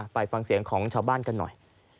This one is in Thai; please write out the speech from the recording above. ไปฟังเสียงของชาวบ้านกันหน่อย